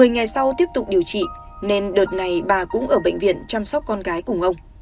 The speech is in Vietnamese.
một mươi ngày sau tiếp tục điều trị nên đợt này bà cũng ở bệnh viện chăm sóc con gái cùng ông